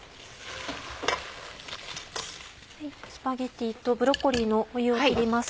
スパゲティとブロッコリーの湯を切ります。